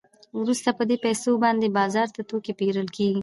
وروسته په دې پیسو باندې بازار کې توکي پېرل کېږي